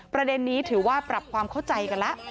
ประเด็นนี้ถือว่าปรับความเข้าใจกันแล้ว